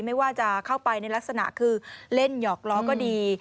ไม่ว่าจะเข้าไปในลักษณะคือเล่นหยอกล้อก็ดี